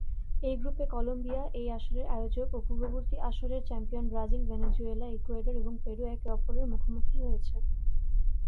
এই গ্রুপে কলম্বিয়া, এই আসরের আয়োজক ও পূর্ববর্তী আসরের চ্যাম্পিয়ন ব্রাজিল, ভেনেজুয়েলা, ইকুয়েডর এবং পেরু একে অপরের মুখোমুখি হয়েছে।